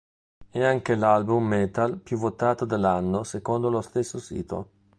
È anche l'album metal più votato dell'anno secondo lo stesso sito.